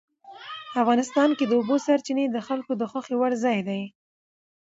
افغانستان کې د اوبو سرچینې د خلکو د خوښې وړ ځای دی.